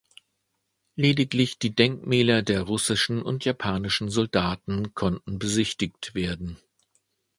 Lediglich die Denkmäler der russischen und japanischen Soldaten konnten besichtigt werden.